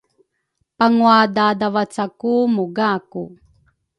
pangwa dadavaca ku mugaku